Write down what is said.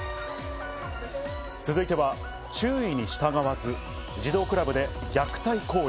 続いては注意に従わず、児童クラブで虐待行為。